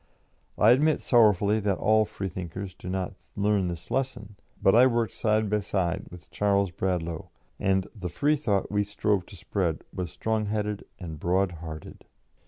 I admit sorrowfully that all Freethinkers do not learn this lesson, but I worked side by side with Charles Bradlaugh, and the Freethought we strove to spread was strong headed and broad hearted.